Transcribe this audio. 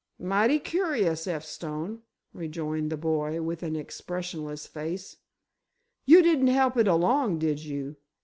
"Mighty curious, F. Stone," rejoined the boy, with an expressionless face. "You didn't help it along, did you?